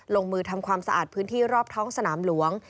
ลงมือทำความสะอาดพื้นที่รอบท้องสนามหลวง